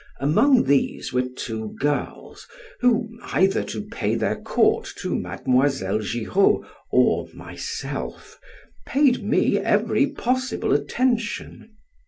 Among these were two girls who (either to pay their court to Mademoiselle Giraud or myself) paid me every possible attention.